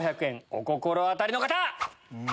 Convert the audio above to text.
お心当たりの方！